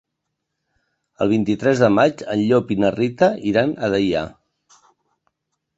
El vint-i-tres de maig en Llop i na Rita iran a Deià.